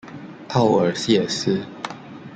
奥尔谢斯。